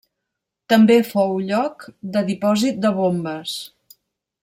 També fou lloc de dipòsit de bombes.